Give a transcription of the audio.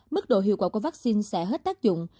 mức độ hiệu quả của vaccine sẽ hết tác dụng